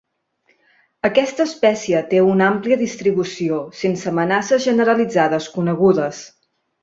Aquesta espècie té una àmplia distribució, sense amenaces generalitzades conegudes.